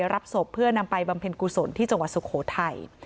รับศพเพื่อนำไปบำเพ็ญกุศลที่จังหวัดสุโขทัย